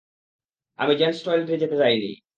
আমি জেন্টস টয়লেটে যেতে চাইনি।